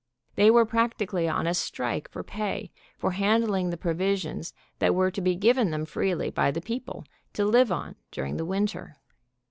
They were practically on a strike for pay for handling the provisions that were to be given them freely by the people, to live on during the winter.